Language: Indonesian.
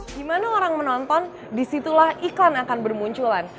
gimana orang menonton disitulah iklan akan bermunculan